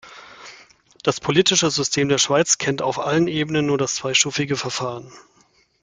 Das politische System der Schweiz kennt auf allen Ebenen nur das zweistufige Verfahren.